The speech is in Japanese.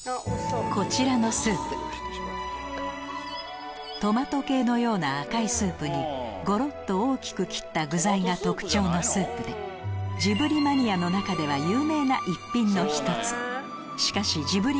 こちらのスープトマト系のような赤いスープにゴロっと大きく切った具材が特徴のスープでジブリマニアの中では有名な逸品の１つしかしジブリ